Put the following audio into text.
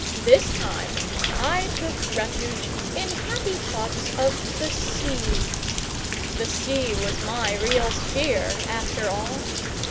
This time I took refuge in happy thoughts of the sea. The sea was my real sphere, after all.